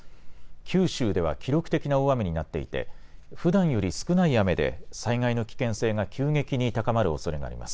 九州では記録的な大雨になっていてふだんより少ない雨で災害の危険性が急激に高まるおそれがあります。